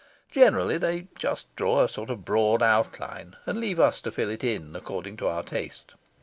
Generally, they just draw a sort of broad outline, and leave us to fill it in according to our taste.